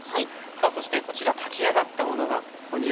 さあそしてこちら炊き上がったものがここにあります。